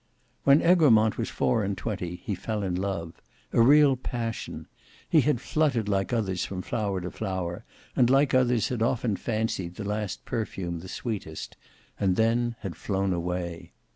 When Egremont was four and twenty, he fell in love—a real passion. He had fluttered like others from flower to flower, and like others had often fancied the last perfume the sweetest, and then had flown away.